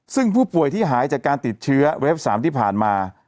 ซึ่งผู้ป่วยที่หายจากการติดเชื้อเว็บ๓ที่ผ่านมา